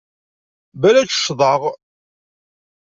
Balak ccḍeɣ.